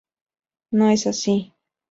No es así.